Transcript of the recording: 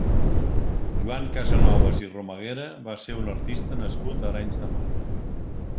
Joan Casanovas i Romaguera va ser un artista nascut a Arenys de Mar.